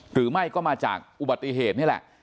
หรือไม่ก็มาจากอุบัติเหตุนี่แหละ